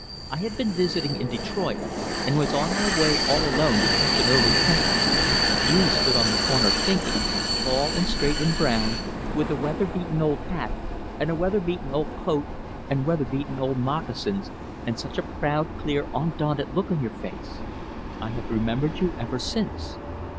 I had been visiting in Detroit, and was on my way all alone to catch an early train. You stood on the corner thinking, tall and straight and brown, with a weather beaten old hat and a weather beaten old coat and weather beaten old moccasins, and such a proud, clear, undaunted look on your face. I have remembered you ever since."